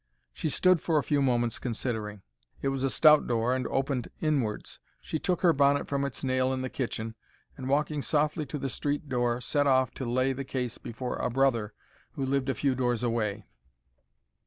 She stood for a few moments, considering. It was a stout door and opened inwards. She took her bonnet from its nail in the kitchen and, walking softly to the street door, set off to lay the case before a brother who lived a few doors away.